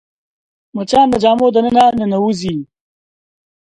مچان د جامو دننه ننوځي